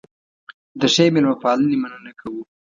د ښې مېلمه پالنې مننه کوو.